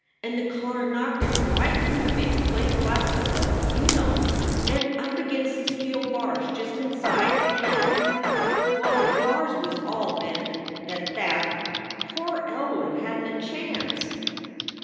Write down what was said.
And the car knocked him right through the big plate glass window, you know, and up against the steel bars just inside and well, the bars was all bent, at that. Poor Elwood hadn t a chance.